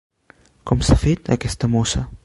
Com s'ha fet, aquesta mossa!